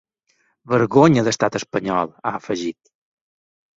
Vergonya d’estat espanyol!, ha afegit.